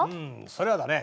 それはだね